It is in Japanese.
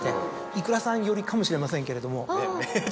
ｉｋｕｒａさん寄りかもしれませんけれども。